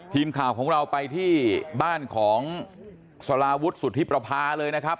ทีมข่าวของเราไปที่บ้านของสลาวุฒิสุธิประพาเลยนะครับ